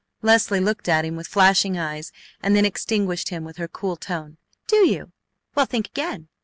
Leslie looked at him with flashing eyes and then extinguished him with her cool tone: "Do you? Well, think again!